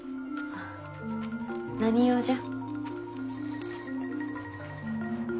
何用じゃ？